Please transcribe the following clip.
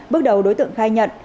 bước đầu đối tượng khai nhận